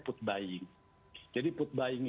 put buying jadi put buying